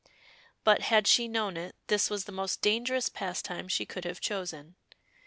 But, had she known it, this was the most dangerous pastime she could have chosen.